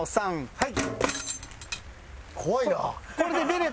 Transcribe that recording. はい。